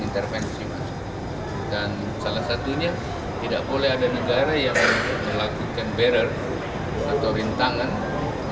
ini bahwa masalah kelaparan masalah perut itu